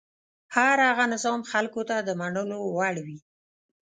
هر هغه نظام خلکو ته د منلو وړ وي.